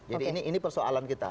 jadi ini persoalan kita